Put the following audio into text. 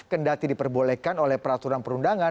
kendati diperbolehkan oleh peraturan perundangan